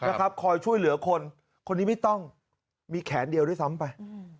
คอยช่วยเหลือคนคนนี้ไม่ต้องมีแขนเดียวด้วยซ้ำไป